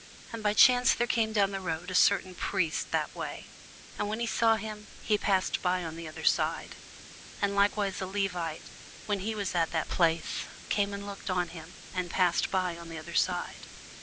And by chance there came down a certain priest that way: and when he saw him, he passed by on the other side. And likewise a Levite, when he was at the place, came and looked on him, and passed by on the other side.